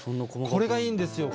これがいいんですよ